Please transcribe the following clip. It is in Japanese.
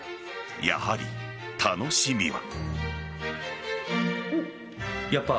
やはり、楽しみは。